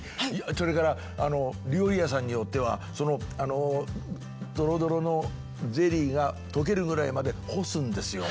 それから料理屋さんによってはそのどろどろのゼリーが溶けるぐらいまで干すんですよ。